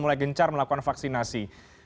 mulai gencar melakukan vaksinasi